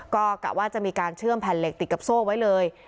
ก็กะว่าจะมีการเชื่อมแผ่นเหล็กติดกับโซ่ไว้เลย